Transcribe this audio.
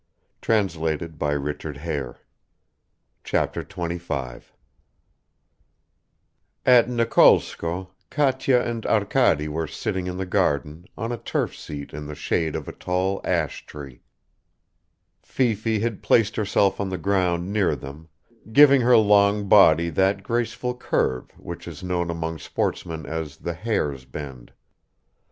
. And indeed he was a dead man. Chapter 25 AT NIKOLSKOE KATYA AND ARKADY WERE SITTING IN THE GARDEN on a turf seat in the shade of a tall ash tree; Fifi had placed herself on the ground near them, giving her long body that graceful curve which is known among sportsmen as the "hare's bend."